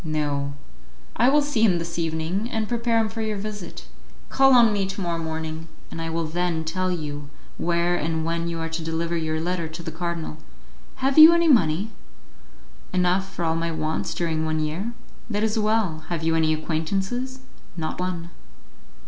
"No; I will see him this evening, and prepare him for your visit. Call on me to morrow morning, and I will then tell you where and when you are to deliver your letter to the cardinal. Have you any money?" "Enough for all my wants during one year." "That is well. Have you any acquaintances?" "Not one."